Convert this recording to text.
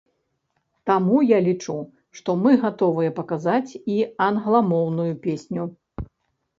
Таму я лічу, што мы гатовыя паказаць і англамоўную песню.